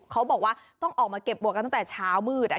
เขาบอกว่าต้องออกมาเก็บบัวกันตั้งแต่เช้ามืด